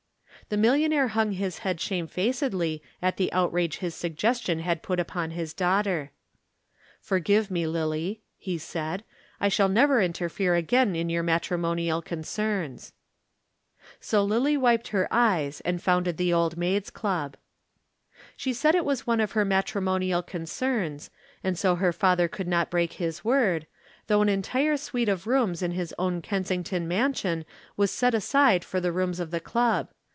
The millionaire hung his head shamefacedly at the outrage his suggestion had put upon his daughter. "Forgive me, Lillie," he said; "I shall never interfere again in your matrimonial concerns." So Lillie wiped her eyes and founded the Old Maids' Club. She said it was one of her matrimonial concerns, and so her father could not break his word, though an entire suite of rooms in his own Kensington mansion was set aside for the rooms of the Club.